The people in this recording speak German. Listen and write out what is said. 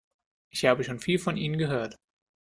Ich habe schon viel von Ihnen gehört.